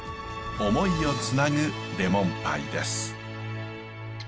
思いをつなぐレモンパイです。